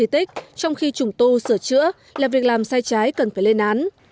trong khi trùng tu sửa chữa là việc làm sai trái cần phải lên án